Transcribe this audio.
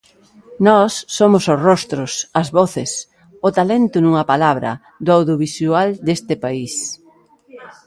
Nós somos os rostros, as voces, o talento nunha palabra, do audiovisual deste país.